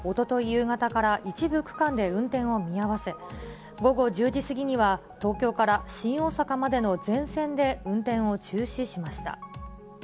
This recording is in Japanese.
夕方から一部区間で運転を見合わせ、午後１０時過ぎには東京から新大阪までの全線で運転を中止しました。